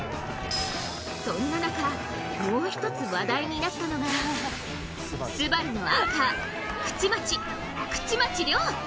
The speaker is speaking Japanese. そんな中もう一つ話題になったのがＳＵＢＡＲＵのアンカー口町、口町亮。